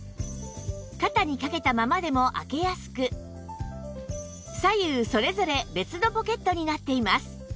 肩にかけたままでも開けやすく左右それぞれ別のポケットになっています